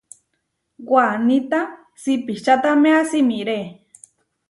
Waníta siipičataméa simiré.